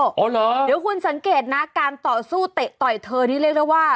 อ๋อเหรอเดี๋ยวคุณสังเกตนะการต่อสู้เตะต่อยเธอนี่เลยว่า